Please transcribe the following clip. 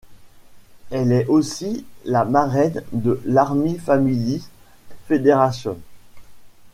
Elle est aussi la marraine de l'Army Families Federation.